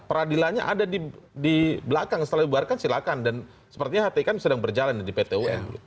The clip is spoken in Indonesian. peradilannya ada di belakang setelah dibubarkan silakan dan sepertinya hti kan sedang berjalan di pt un